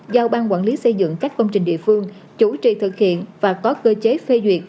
giao ban quản lý xây dựng các công trình địa phương chủ trì thực hiện và có cơ chế phê duyệt